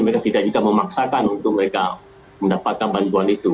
mereka tidak juga memaksakan untuk mereka mendapatkan bantuan itu